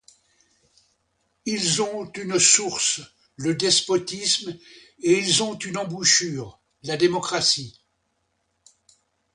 Ils ont une source, le despotisme, et ils ont une embouchure, la démocratie.